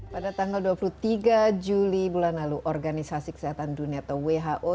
pada tanggal dua puluh tiga juli bulan lalu organisasi kesehatan dunia atau who